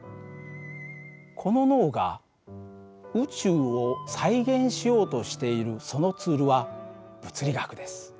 この脳が宇宙を再現しようとしているそのツールは物理学です。